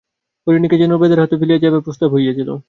হরিণীকে যেন ব্যাধের হাতে ফেলিয়া যাইবার প্রস্তাব হইয়াছিল।